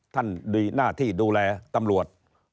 ท่านดีหน้าที่ดูแลตำรวจ